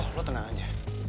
oh lo tenang aja